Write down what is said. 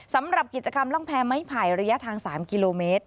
สำหรับกิจกรรมร่องแพรไม้ไผ่ระยะทาง๓กิโลเมตร